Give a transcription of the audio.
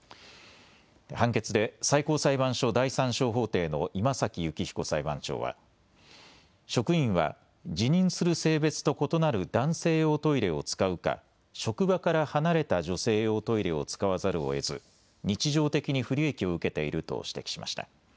判決で最高裁判所第３小法廷の今崎幸彦裁判長は職員は自認する性別と異なる男性用トイレを使うか職場から離れた女性用トイレを使わざるをえず日常的に不利益を受けていると指摘しました。